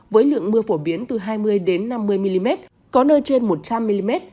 với lượng mưa phổ biến từ hai mươi năm mươi mm có nơi trên một trăm linh mm